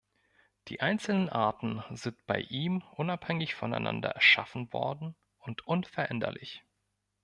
Die einzelnen Arten sind bei ihm unabhängig voneinander erschaffen worden und unveränderlich.